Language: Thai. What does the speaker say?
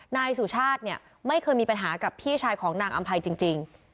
นายสุชาติเนี่ยไม่เคยมีปัญหากับพี่ชายของนางอำภัยจริง